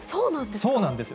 そうなんですよ。